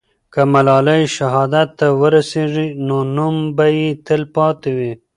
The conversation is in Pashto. که ملالۍ شهادت ته ورسېږي، نو نوم به یې تل پاتې وي.